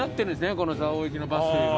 この蔵王行きのバスというのは。